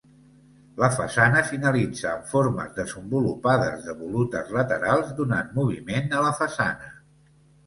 La façana finalitza en formes desenvolupades de volutes laterals donant moviment a la façana.